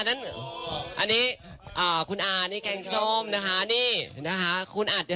นั่นอันนี้อ่าคุณอานี่แกงส้มนะคะนี่นะคะคุณอัดอยู่